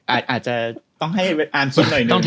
อาจจะต้องให้อ่านสุดหน่อยหนึ่ง